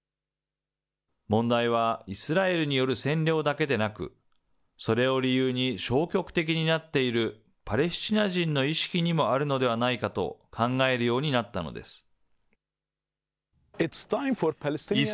問題は、イスラエルによる占領だけでなく、それを理由に消極的になっている、パレスチナ人の意識にもあるのではないかと考えるようになったのです。